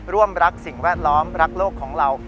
ร่วมรักสิ่งแวดล้อมรักโลกของเรา